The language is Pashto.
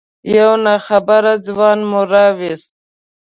یو ناخبره ځوان مو راوست.